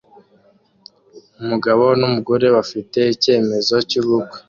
Umugabo numugore bafite icyemezo cyubukwe